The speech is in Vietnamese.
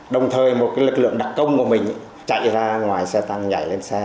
đồng thời một lực lượng đặc công của mình chạy ra ngoài xe tăng nhảy lên xe